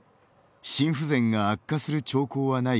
心不全が悪化する兆候はないか。